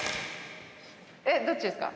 えっどっちですか？